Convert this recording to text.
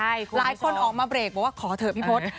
หลายคนออกมาเบรกบอกว่าขอเถอะพี่พศ